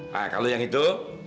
nah kalau yang itu